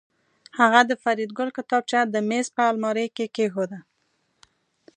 هغه د فریدګل کتابچه د میز په المارۍ کې کېښوده